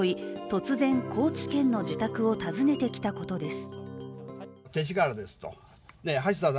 突然、高知県の自宅を訪ねてきたことです。